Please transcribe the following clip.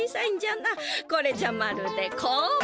これじゃまるで交番。